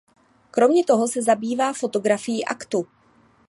Kromě toho se zabývá fotografií aktu.